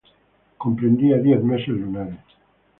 Comprendía diez meses lunares.